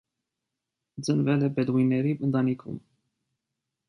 Ծնվել է բեդուինների ընտանիքում։